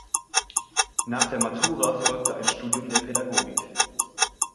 Nach der Matura folgte ein Studium der Pädagogik.